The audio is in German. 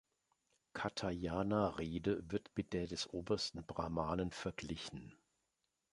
Katyayana Rede wird mit der des obersten Brahmanen verglichen.